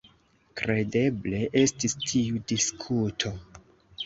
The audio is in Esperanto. Kredeble estis tiu diskuto.